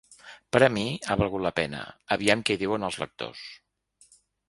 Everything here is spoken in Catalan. Per a mi ha valgut la pena, aviam què hi diuen els lectors.